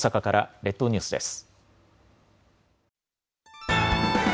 列島ニュースです。